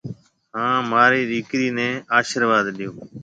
هانَ مهارَي ڏيڪريَ نَي آشرواڌ ڏيو۔